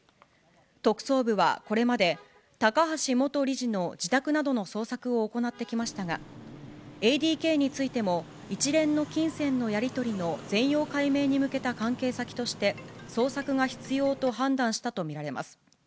特捜部はこれまで高橋元理事の自宅などの捜索を行ってきましたが、ＡＤＫについても、一連の金銭のやり取りの全容解明に向けた関係先として、捜索が必要と判断したと見られます。